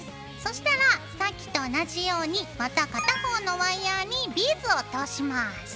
そしたらさっきと同じようにまた片方のワイヤーにビーズを通します。